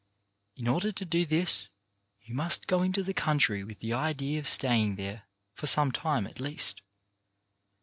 In order to do this you must go into the country with the idea of staying there for some time at least.